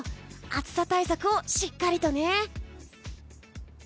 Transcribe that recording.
暑さ対策をしっかりとね。